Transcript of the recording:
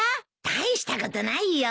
大したことないよ。